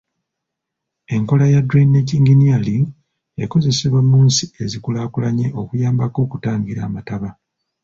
Enkola ya drainage engineering ekozesebwa mu nsi ezikulaakulanye okuyambako okutangira amataba.